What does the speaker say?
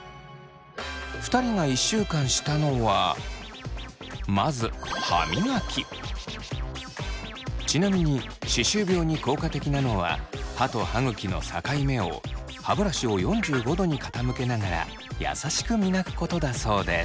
２人が１週間したのはまずちなみに歯周病に効果的なのは歯と歯ぐきの境目を歯ブラシを４５度に傾けながらやさしく磨くことだそうです。